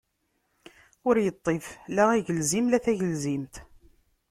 Ur iṭṭif la agelzim, la tagelzimt.